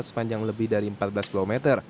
sepanjang lebih dari empat belas km